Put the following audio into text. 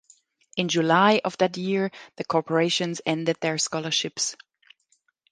In July of that year the corporations ended their scholarships.